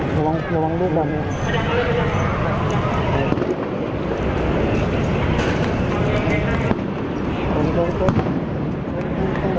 สวัสดีครับ